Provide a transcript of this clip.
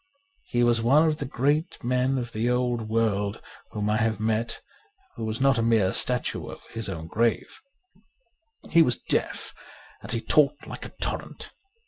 He was the one great man of the old world whom I have met who was not a mere statue over his own grave. He was deaf and he talked like a torrent.